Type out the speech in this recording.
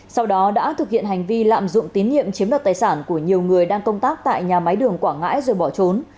sau đó đã thực hiện hành vi lạm dụng tín nhiệm chiếm đoạt tài sản của nhiều người đang công tác tại nhà máy đường quảng ngãi rồi bỏ trốn